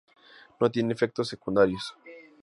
No tiene efectos secundarios.